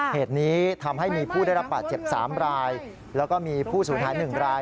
เหตุนี้ทำให้มีผู้ได้รับบาดเจ็บ๓รายแล้วก็มีผู้สูญหาย๑ราย